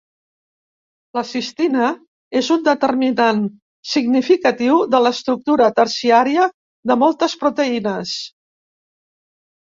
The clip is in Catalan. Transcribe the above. La cistina és un determinant significatiu de l'estructura terciària de moltes proteïnes.